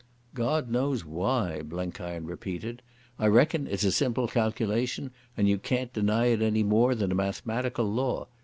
"God knows why," Blenkiron repeated. "I reckon it's a simple calculation, and you can't deny it any more than a mathematical law.